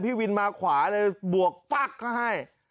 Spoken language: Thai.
พี่วินมาขวาเลยบวกปั๊กเขาให้